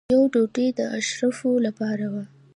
یوه ډوډۍ د اشرافو لپاره وه.